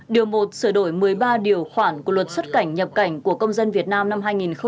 điều một sửa đổi một mươi ba điều khoản của luật xuất cảnh nhập cảnh của công dân việt nam năm hai nghìn một mươi ba